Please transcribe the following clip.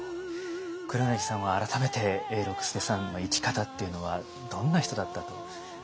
黒柳さんは改めて永六輔さんの生き方っていうのはどんな人だったと？